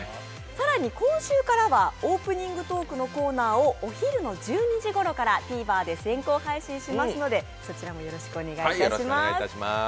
更に今週からはオープニングトークのコーナーをお昼の１２時ごろからＴＶｅｒで先行配信しますので、そちらもよろしくお願いします。